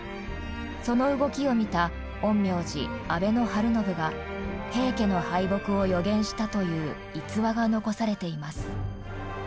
その動きを見た陰陽師安倍晴信が平家の敗北を予言したという逸話が残されています。